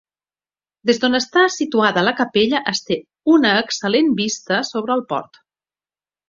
Des d'on està situada la capella es té una excel·lent vista sobre el port.